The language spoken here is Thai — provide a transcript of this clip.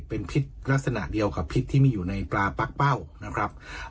เป็นพิษลักษณะเดียวกับพิษที่มีอยู่ในปลาปั๊กเป้านะครับ